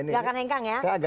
gak akan hengkang ya